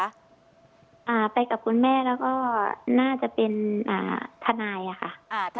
ไปกับคุณแม่แล้วก็น่าจะเป็นทนายค่ะ